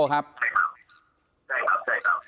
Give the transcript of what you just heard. ใช่ครับใช่ครับ